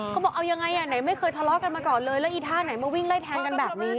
เขาบอกเอายังไงอ่ะไหนไม่เคยทะเลาะกันมาก่อนเลยแล้วอีท่าไหนมาวิ่งไล่แทงกันแบบนี้